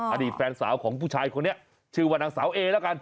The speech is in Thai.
อดีตแฟนสาวของผู้ชายคนนี้ชื่อว่านางสาวเอละกัน